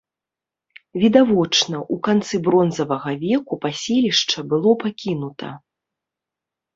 Відавочна, у канцы бронзавага веку паселішча было пакінута.